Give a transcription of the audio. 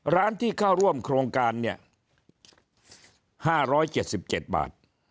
ร้านที่เข้าร่วมโครงการเนี่ย๕๗๗บาท